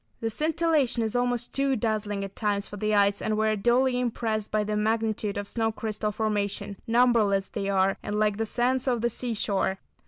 The scintillation is almost too dazzling at times for the eyes, and we are duly impressed by the magnitude of snow crystal formation. Numberless they are, and like the sands of the seashore.